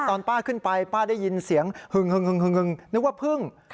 ตอนป้าขึ้นไปป้าได้ยินเสียงหึงนึกว่าพึ่ง